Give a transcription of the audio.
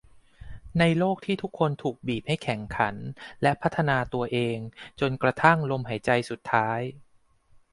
ในโลกที่ทุกคนถูกบีบให้แข่งขันและพัฒนาตัวเองจนกระทั่งลมหายใจสุดท้าย